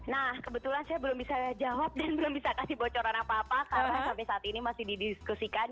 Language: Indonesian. nah kebetulan saya belum bisa jawab dan belum bisa kasih bocoran apa apa karena sampai saat ini masih didiskusikan